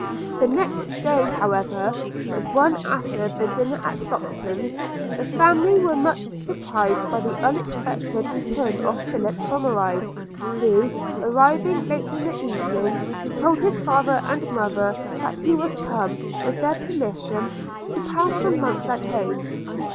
The next day, however, but one after the dinner at Stockton's, the family were much surprised by the unexpected return of Philip Somerive; who, arriving late in the evening, told his father and mother that he was come, with their permission, to pass some months at home.